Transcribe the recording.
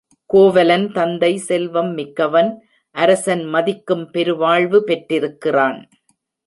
கோவலன் தந்தை செல்வம் மிக்கவன் அரசன் மதிக்கும் பெருவாழ்வு பெற்றிருக்கிறான்.